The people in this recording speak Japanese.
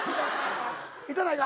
痛ないか？